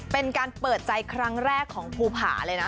เป็นการเปิดใจครั้งแรกของภูผาเลยนะ